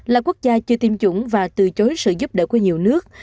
là quốc gia chưa tiêm chủng và từ chối sự giúp đỡ của nhiều nước